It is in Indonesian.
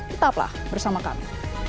tetaplah bersama kami